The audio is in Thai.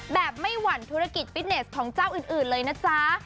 แบบไม่หวั่นธุรกิจฟิตเนสของเจ้าอื่นเลยนะจ๊ะ